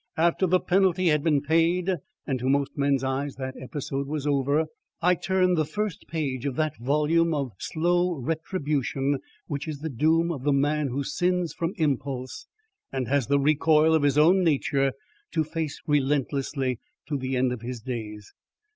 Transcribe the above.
After the penalty had been paid and to most men's eyes that episode was over, I turned the first page of that volume of slow retribution which is the doom of the man who sins from impulse, and has the recoil of his own nature to face relentlessly to the end of his days.